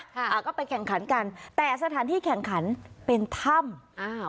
อ่าก็ไปแข่งขันกันแต่สถานที่แข่งขันเป็นถ้ำอ้าว